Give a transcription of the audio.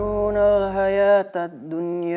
menunggu lo ke sisi si seenanuary nya